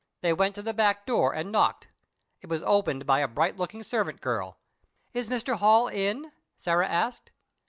They went to the back door, and knocked. It was opened by a bright looking servant girl. "Is Mr. Holl in?" Sarah asked.